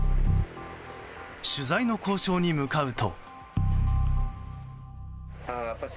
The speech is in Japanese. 取材の交渉に向かうと。